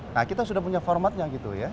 nah kita sudah punya formatnya gitu ya